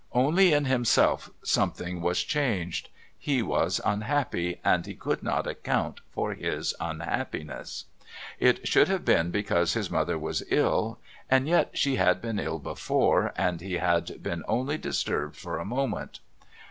Only in himself something was changed; he was unhappy, and he could not account for his unhappiness. It should have been because his mother was ill, and yet she had been ill before, and he had been only disturbed for a moment.